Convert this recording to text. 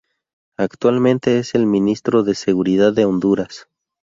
Actualmente es el Ministro de Seguridad de Honduras.